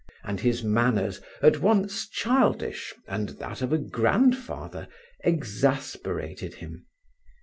And his manners, at once childish and that of a grandfather, exasperated him.